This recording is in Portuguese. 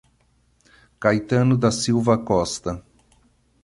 Caetano da Silva Costa